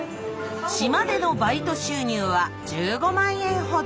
島でのバイト収入は１５万円ほど。